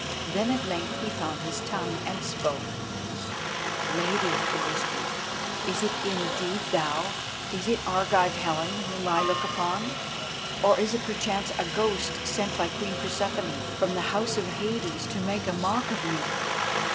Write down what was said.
Then at length he found his tongue and spoke: "Lady," he whispered, "is it indeed thou, is it Argive Helen whom I look upon, or is it, perchance, a ghost sent by Queen Persephone from the House of Hades to make a mock of me?"